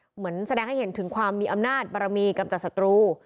เหมือนแสดงให้เห็นถึงความมีอำนาจบารมีกำจัดศัตรู